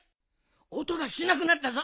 おとがしなくなったぞ。